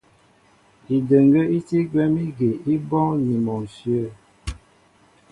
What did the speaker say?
Idəŋgə́ í tí gwɛ̌m ígi í bɔ́ɔ́ŋ ni mɔ ǹshyə̂.